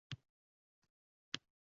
«Urush-urush» o’yin bo’lsa bas